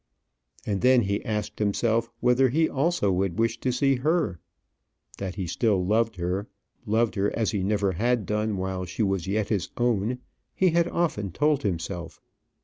And then he asked himself whether he also would wish to see her. That he still loved her, loved her as he never had done while she was yet his own, he had often told himself.